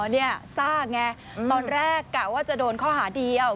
เนี่ยทราบไงตอนแรกกะว่าจะโดนข้อหาเดียว